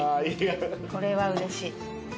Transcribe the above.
これはうれしい。